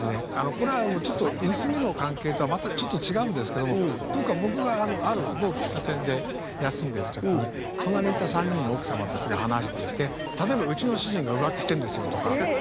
これはちょっと盗みの関係とはまたちょっと違うんですけども僕がある某喫茶店で休んでる時に隣にいた３人の奥様たちが話していて例えば「うちの主人が浮気してるんですよ」とか。